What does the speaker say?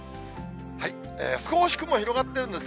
少し雲が広がってるんですね。